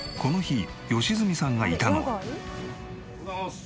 この日おはようございます。